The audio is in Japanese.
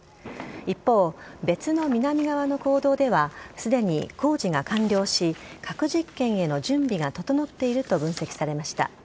一方、別の南側の坑道ではすでに工事が完了し核実験への準備が整っていると分析されました。